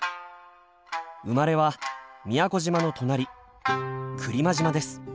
生まれは宮古島の隣来間島です。